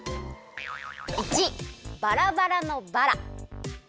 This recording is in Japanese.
①バラバラのバラ。